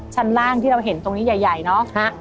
ชั้นล่างที่เราเห็นตรงนี้ใหญ่เนอะ